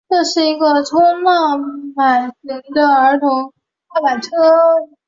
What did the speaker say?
这个是冲浪板型的儿童踏板车。